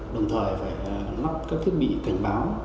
đồng thời phải lắp các thiết bị cảnh báo